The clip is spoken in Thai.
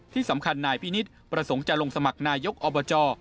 ที่สำคัญนายพินิษฐ์ประสงค์จะลงสมัครนายกอบจ